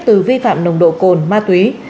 từ vi phạm nồng độ cồn ma túy